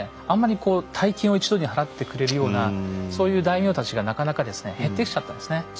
あんまりこう大金を一度に払ってくれるようなそういう大名たちがなかなか減ってきちゃったんですね。